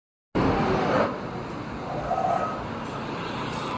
The novel explores the relationship between the depressive Caldwell and his anxious son.